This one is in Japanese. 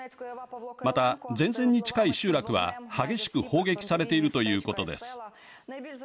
また、前線に近い集落は激しく砲撃されているということです。